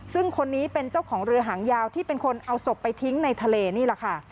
ซึ่งคนนี้เป็นเจ้าของเรือหางยาวที่เป็นคนเอาศพไปทิ้งในทะเลนี่แหละค่ะ